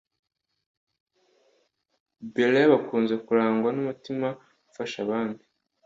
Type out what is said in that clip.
Ba Lea bakunze kurangwa n’umutima ufasha abandi